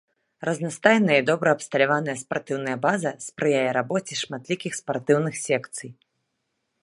Разнастайная і добра абсталяваная спартыўная база спрыяе рабоце шматлікіх спартыўных секцый.